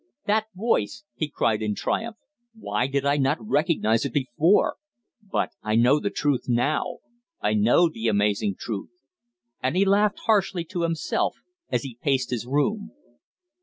"That voice!" he cried in triumph. "Why did I not recognize it before? But I know the truth now I know the amazing truth!" And he laughed harshly to himself as he paced his room.